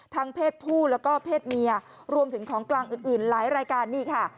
เพศผู้แล้วก็เพศเมียรวมถึงของกลางอื่นหลายรายการนี่ค่ะ